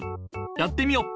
やってみよ。